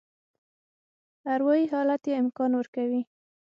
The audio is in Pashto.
اروایي حالت یې امکان ورکوي.